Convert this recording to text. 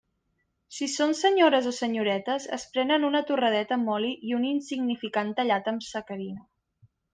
Si són senyores o senyoretes, es prenen una torradeta amb oli i un insignificant tallat amb sacarina.